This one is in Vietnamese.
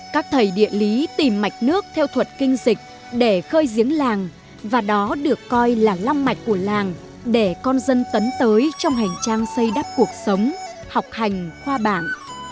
các thầy địa lý tìm mạch nước theo thuật kinh dịch để khơi giếng làng và đó được coi là long mạch của làng để con dân tấn tới trong hành trang xây đắp cuộc sống học hành khoa bản